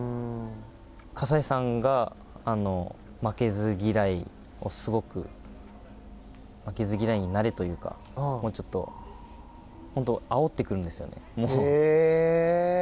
葛西さんが負けず嫌い、すごく負けず嫌いになれというかもうちょっと、本当あおってくるんですよね。